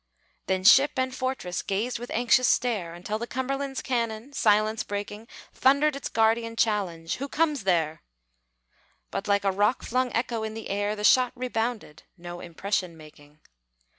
Then ship and fortress gazed with anxious stare, Until the Cumberland's cannon, silence breaking, Thundered its guardian challenge, "Who comes there?" But, like a rock flung echo in the air, The shot rebounded, no impression making.